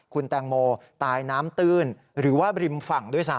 คุณแตงโมตายน้ำตื้นหรือว่าริมฝั่งด้วยซ้ำ